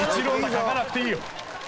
書かなくていいぞ！